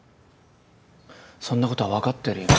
そんなことは分かってるよ。